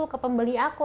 ke pembeli aku